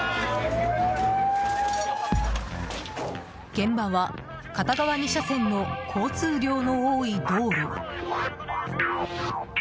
現場は片側２車線の交通量の多い道路。